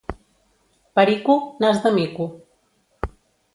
Perico, nas de mico.